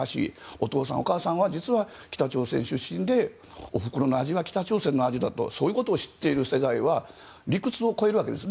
お父さん、お母さんは実は北朝鮮出身でおふくろの味は北朝鮮の味だということを知っている世代は理屈を越えるわけです。